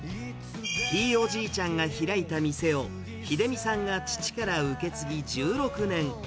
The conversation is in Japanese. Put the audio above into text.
ひいおじいちゃんが開いた店を、秀巳さんが父から受け継ぎ１６年。